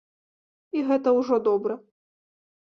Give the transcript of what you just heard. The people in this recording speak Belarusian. І гэта ўжо добра.